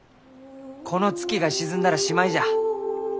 この月が沈んだらしまいじゃ。